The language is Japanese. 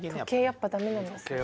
やっぱダメなんですね